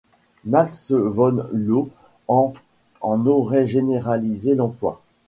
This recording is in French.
Max von Laue en en aurait généralisé d'emploi.